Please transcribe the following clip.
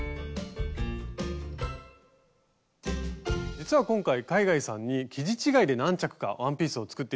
実は今回海外さんに生地違いで何着かワンピースを作って頂きました。